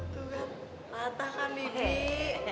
tuh kan rata kan bebi